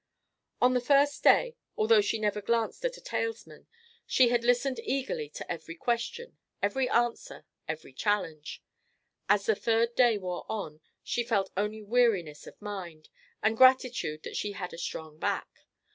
On the first day, although she never glanced at a talesman, she had listened eagerly to every question, every answer, every challenge. As the third day wore on, she felt only weariness of mind, and gratitude that she had a strong back.